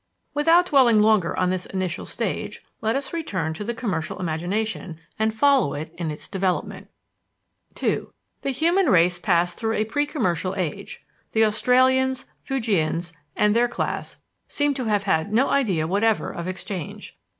Without dwelling longer on this initial stage, let us return to the commercial imagination, and follow it in its development. II The human race passed through a pre commercial age. The Australians, Fuegians, and their class seem to have had no idea whatever of exchange.